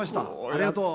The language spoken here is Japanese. ありがとう。